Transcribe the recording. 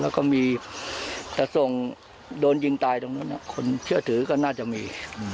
แล้วก็มีแต่ส่งโดนยิงตายตรงนู้นคนเชื่อถือก็น่าจะมี